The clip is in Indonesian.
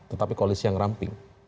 tetapi koalisi yang ramping